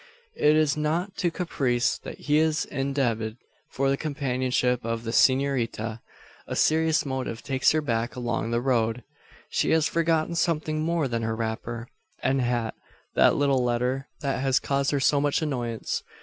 It is not to caprice that he is indebted for the companionship of the senorita. A serious motive takes her back along the road. She has forgotten something more than her wrapper and hat that little letter that has caused her so much annoyance.